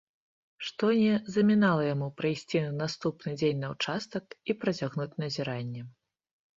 Што не замінала яму прыйсці на наступны дзень на ўчастак і працягнуць назіранне.